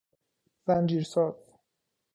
زنجیرساز